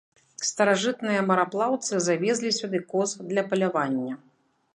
Старажытныя мараплаўцы завезлі сюды коз для палявання.